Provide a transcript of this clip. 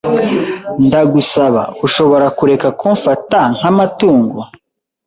Ndagusaba, ushobora kureka kumfata nk'amatungo?